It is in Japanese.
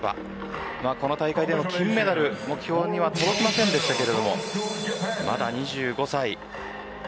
この大会での金メダル目標には届きませんでしたがまだ２５歳です。